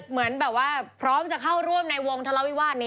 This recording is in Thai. เหมือนแบบว่าพร้อมจะเข้าร่วมในวงทะเลาวิวาสนี้